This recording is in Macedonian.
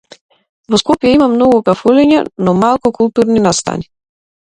Во Скопје има многу кафулиња, но малку културни настани.